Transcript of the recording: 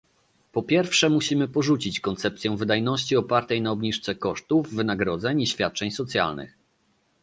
Po pierwsze, musimy porzucić koncepcję wydajności opartej na obniżce kosztów wynagrodzeń i świadczeń socjalnych